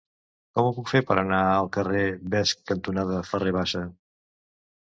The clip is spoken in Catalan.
Com ho puc fer per anar al carrer Vesc cantonada Ferrer Bassa?